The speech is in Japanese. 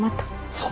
そう。